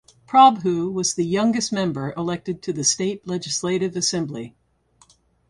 Prabhu was the youngest member elected to the State Legislative Assembly.